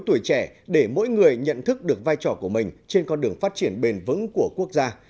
tuổi trẻ để mỗi người nhận thức được vai trò của mình trên con đường phát triển bền vững của quốc gia